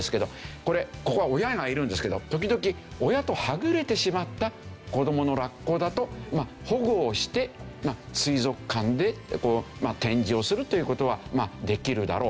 これ親がいるんですけど時々親とはぐれてしまった子どものラッコだと保護をして水族館で展示をするという事はできるだろう。